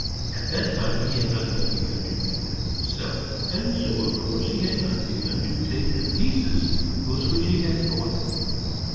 At that time he had not yet begun to make them himself, and so of course he had not begun to take to pieces those which he bought.